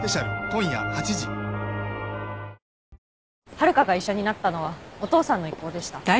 遥が医者になったのはお父さんの意向でした。